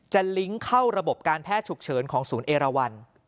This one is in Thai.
ลิงก์เข้าระบบการแพทย์ฉุกเฉินของศูนย์เอราวัน